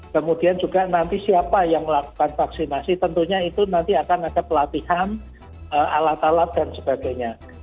kemudian juga nanti siapa yang melakukan vaksinasi tentunya itu nanti akan ada pelatihan alat alat dan sebagainya